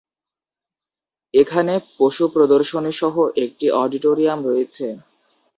এখানে পশু প্রদর্শনী সহ একটি অডিটোরিয়াম রয়েছে।